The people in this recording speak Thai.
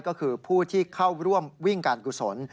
ก็คือผู้ที่เข้าร่วมวิ่งการกุศล